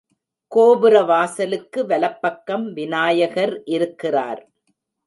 கோபுர வாசலுக்கு வலப்பக்கம் விநாயகர் இருக்கிறார்.